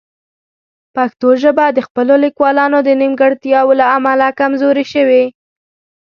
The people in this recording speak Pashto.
پښتو ژبه د خپلو لیکوالانو د نیمګړتیاوو له امله کمزورې شوې.